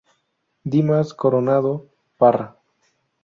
Dimas Coronado Parra.